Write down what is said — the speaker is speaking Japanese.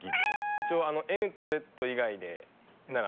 一応「Ｎ」と「Ｚ」以外でなら。